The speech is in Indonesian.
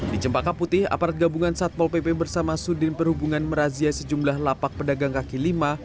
di cempaka putih aparat gabungan satpol pp bersama sudin perhubungan merazia sejumlah lapak pedagang kaki lima